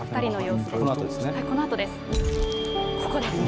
このあとですね。